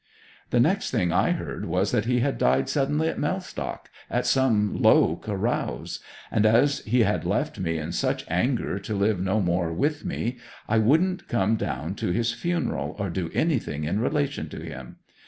The next thing I heard was that he had died suddenly at Mellstock at some low carouse; and as he had left me in such anger to live no more with me, I wouldn't come down to his funeral, or do anything in relation to him.